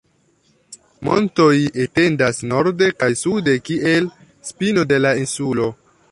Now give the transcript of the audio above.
Montoj etendas norde kaj sude kiel spino de la insulo.